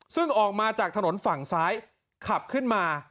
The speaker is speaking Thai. ซึ่งออกมาจากถนนฝั่งซ้ายขับขึ้นมา